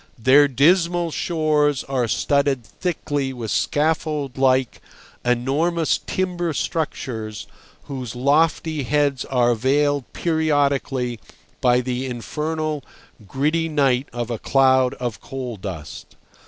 Their dismal shores are studded thickly with scaffold like, enormous timber structures, whose lofty heads are veiled periodically by the infernal gritty night of a cloud of coal dust.